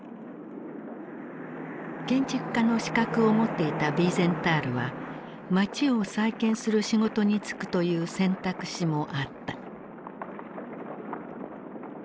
建築家の資格を持っていたヴィーゼンタールは街を再建する仕事に就くという選択肢もあった。